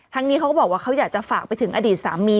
นี้เขาก็บอกว่าเขาอยากจะฝากไปถึงอดีตสามี